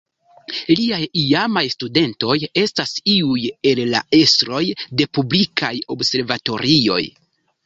Liaj iamaj studentoj estas iuj el la estroj de publikaj observatorioj.